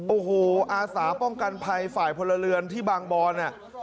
โอ้โหอาสาป้องกันภัยฝ่ายพลเรือนที่บางบอน